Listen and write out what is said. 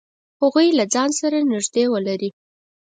هغوی له ځان سره نږدې ولری.